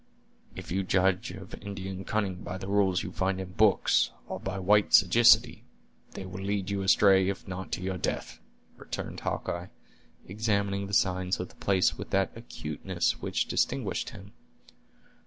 "If you judge of Indian cunning by the rules you find in books, or by white sagacity, they will lead you astray, if not to your death," returned Hawkeye, examining the signs of the place with that acuteness which distinguished him.